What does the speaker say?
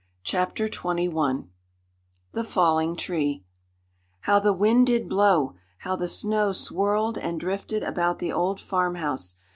CHAPTER XXI THE FALLING TREE How the wind did blow! How the snow swirled and drifted about the old farmhouse!